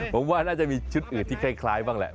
ผมว่าน่าจะมีชุดอื่นที่คล้ายบ้างแหละ